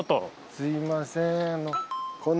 すみません